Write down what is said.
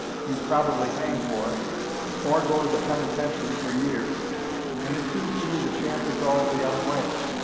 You'd probably hang for it, or go to the penitentiary for years. And it seems to me the chance is all the other way.